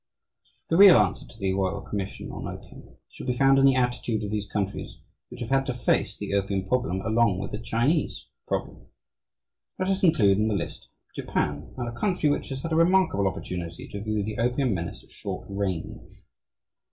The real answer to the Royal Commission on opium should be found in the attitude of these countries which have had to face the opium problem along with the Chinese problem. Let us include in the list Japan, a country which has had a remarkable opportunity to view the opium menace at short range.